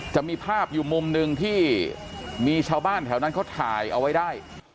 จะมีภาพอยู่มุมหนึ่งที่มีชาวบ้านแถวนั้นเขาถ่ายเอาไว้ได้